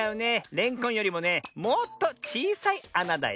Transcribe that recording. れんこんよりもねもっとちいさいあなだよ。